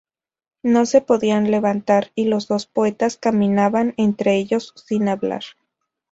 No se podían levantar y los dos poetas caminaban entre ellos sin hablar.